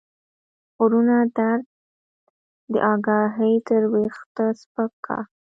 غرونه درد داګاهي تر ويښته سپک کا